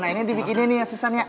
nah ini dibikinin nih ya susan ya